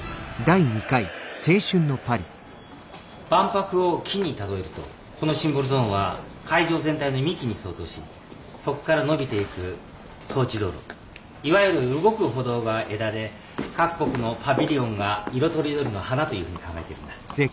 万博を木に例えるとこのシンボルゾーンは会場全体の幹に相当しそっから伸びていく装置道路いわゆる「動く歩道」が枝で各国のパビリオンが色とりどりの花というふうに考えてるんだ。